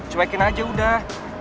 cuekin aja udah